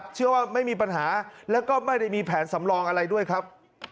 เชื่อว่าไม่มีปัญหาแล้วก็ไม่ได้มีแผนสำรองอะไรด้วยครับ